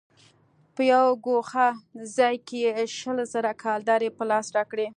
په يوه گوښه ځاى کښې يې شل زره کلدارې په لاس راکړې.